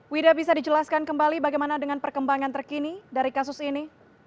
wida bisa dijelaskan kembali bagaimana dengan perkembangan terkini dari kasus ini